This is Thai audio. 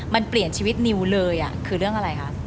มันเปลี่ยนชีวิตนิวเลยคือเรื่องอะไรคะ